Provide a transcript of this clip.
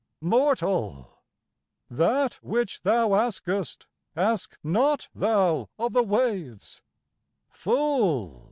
ōMortal! that which thou askest, ask not thou of the waves; Fool!